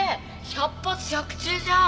百発百中じゃん！